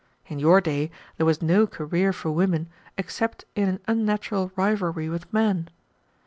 In your day there was no career for women except in an unnatural rivalry with men.